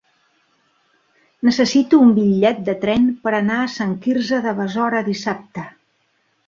Necessito un bitllet de tren per anar a Sant Quirze de Besora dissabte.